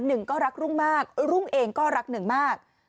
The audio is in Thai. หนึ่งก็รักรุ่งมากรุ่งเองก็รักหนึ่งมาก